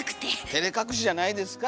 てれ隠しじゃないですか？